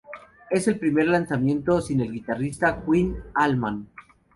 Es el primer lanzamiento sin el guitarrista Quinn Allman.